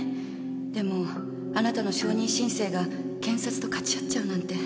でもあなたの証人申請が検察とかち合っちゃうなんて。